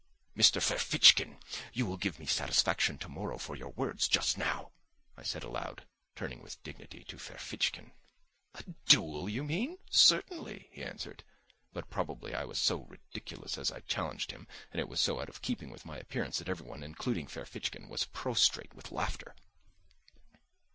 "Mr. Ferfitchkin, you will give me satisfaction tomorrow for your words just now!" I said aloud, turning with dignity to Ferfitchkin. "A duel, you mean? Certainly," he answered. But probably I was so ridiculous as I challenged him and it was so out of keeping with my appearance that everyone including Ferfitchkin was prostrate with laughter.